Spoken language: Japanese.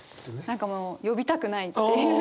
何かもう呼びたくないっていうか。